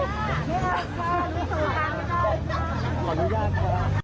เจ๋งสม่ะครับ